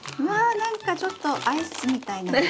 なんかちょっとアイスみたいな感じ。